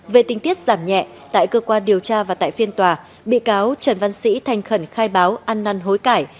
về tinh tiết giảm nhẹ tại cơ quan điều tra và tại phiên tòa bị cáo trần văn sĩ thành khẩn khai báo ăn năn hối cải